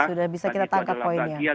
sudah bisa kita tangkap poinnya